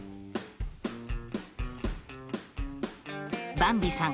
ばんびさん